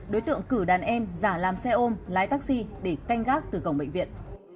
đối tượng cử đàn em giả làm xe ôm lái taxi để canh gác từ cổng bệnh viện